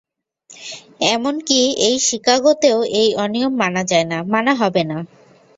এমনকি এই শিকাগোতেও এই অনিয়ম মানা যায় না, মানা হবে না!